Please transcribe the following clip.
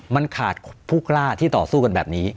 มันขาดผู้กล้าที่ต่อสู้กันแบบนี้